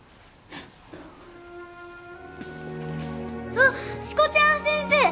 あっしこちゃん先生！